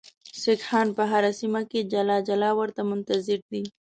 سیکهان په هره سیمه کې جلا جلا ورته منتظر دي.